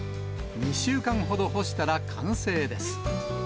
２週間ほど干したら完成です。